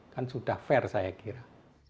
kan sudah fair saya kira